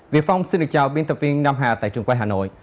việc phòng xin được chào biên tập viên nam hà tại trường quay hà nội